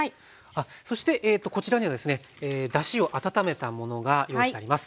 あっそしてこちらにはですねだしを温めたものが用意してあります。